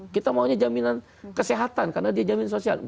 kita maunya jaminan kesehatan karena dia jamin sosial